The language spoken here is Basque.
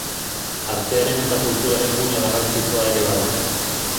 Artearen eta kulturaren gune garrantzitsua ere bada.